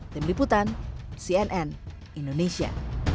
tim liputan cnn indonesia